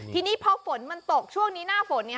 ทีนี้พอฝนมันตกช่วงนี้หน้าฝน